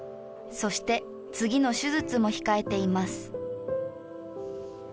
そして次の手術も控えています。